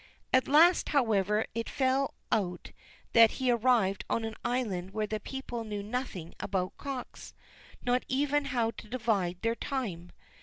At last, however, it fell out that he arrived on an island where the people knew nothing about cocks, nor even how to divide their time.